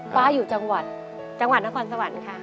ฟ้าอยู่จังหวัดจังหวัดนครสวรรค์ค่ะ